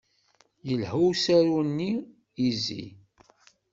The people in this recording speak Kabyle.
Yelha usaru-nni "Izi"?